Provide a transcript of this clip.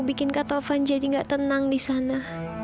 bikin katovan jadi nggak tenang di sana